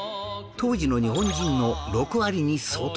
当時の日本人の６割に相当するんです